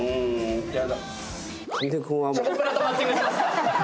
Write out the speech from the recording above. チョコプラとマッチングしますか。